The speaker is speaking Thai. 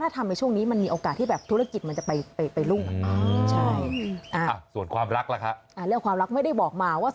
ทั้งสองอะไรกันค่ะ